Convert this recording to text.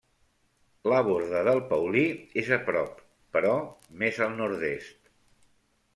La Borda del Paulí és a prop, però més al nord-est.